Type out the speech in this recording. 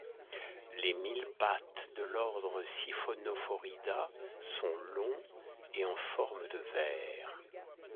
Les mille-pattes de l'ordre Siphonophorida sont longs et en forme de ver.